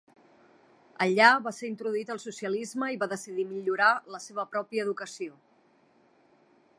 Allà va ser introduït al socialisme i va decidir millorar la seva pròpia educació.